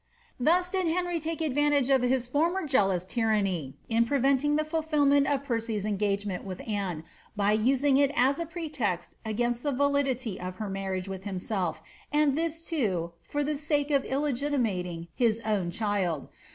Thus did Henry take advantage of his former jealous tyranny in pre venting the fulfilment of Percy's engagement with Anne« by using it as a pretext against the validity of her marriage with himself, and this, too, for the sake of illegitimating his own child.